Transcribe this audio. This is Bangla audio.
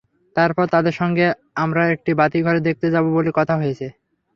তারপর তাদের সঙ্গে আমরা একটি বাতিঘর দেখতে যাব বলে কথা হয়েছে।